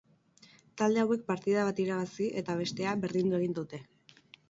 Talde hauek partida bat irabazi, eta bestea, berdindu egin dute.